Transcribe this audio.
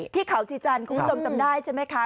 ที่เขาชีจันทร์คุณผู้ชมจำได้ใช่ไหมคะ